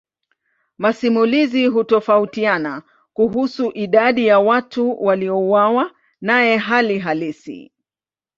Masimulizi hutofautiana kuhusu idadi ya watu waliouawa naye hali halisi.